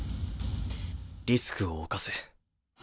「リスクを冒せ」。